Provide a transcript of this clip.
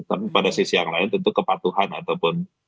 tapi pada sisi yang lain tentu kepatuhan ataupun